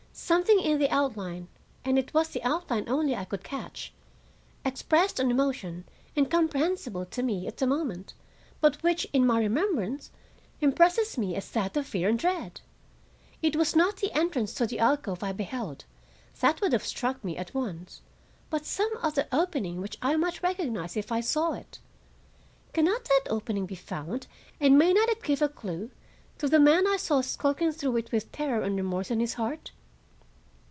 Something in the outline (and it was the outline only I could catch) expressed an emotion incomprehensible to me at the moment, but which, in my remembrance, impresses me as that of fear and dread. It was not the entrance to the alcove I beheld—that would have struck me at once—but some other opening which I might recognize if I saw it. Can not that opening be found, and may it not give a clue to the man I saw skulking through it with terror and remorse in his heart?"